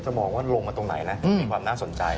มองว่าลงมาตรงไหนนะมีความน่าสนใจ